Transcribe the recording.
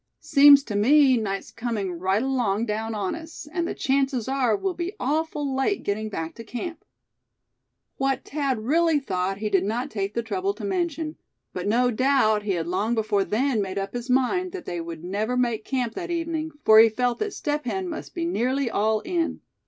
"Seems to me night's coming right along down on us; and the chances are we'll be awful late getting back to camp." What Thad really thought he did not take the trouble to mention; but no doubt he had long before then made up his mind that they would never make camp that evening, for he felt that Step Hen must be nearly all in.